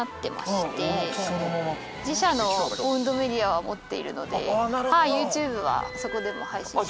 自社のオウンドメディアを持っているのでＹｏｕＴｕｂｅはそこでも配信しています。